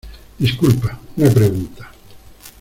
disculpa, una pregunta